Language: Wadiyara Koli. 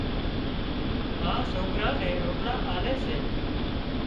ما سوڪران نين روٽلا آلي سي